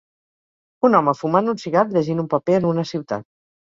Un home fumant un cigar llegint un paper en una ciutat